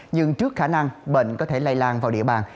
nhưng trước khả năng bệnh có thể lây lan vào địa bàn